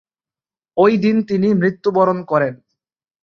ওই দিন তিনি মৃত্যুবরণ করেন।